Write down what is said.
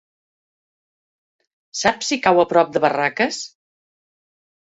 Saps si cau a prop de Barraques?